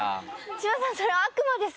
千葉さんそれは悪魔です。